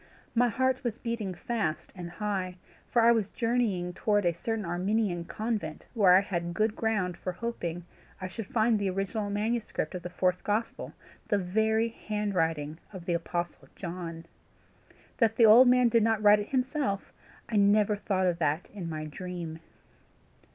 My heart was beating fast and high, for I was journeying towards a certain Armenian convent, where I had good ground for hoping I should find the original manuscript of the fourth gospel, the very handwriting of the apostle John. That the old man did not write it himself, I never thought of that in my dream.